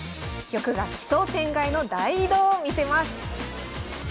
玉が奇想天外の大移動を見せます